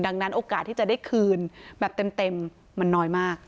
ดังนั้นโอกาสที่จะได้คืนแบบเต็มมันน้อยมาก